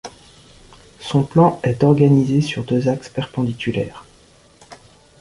Son plan est organisé sur deux axes perpendiculaires.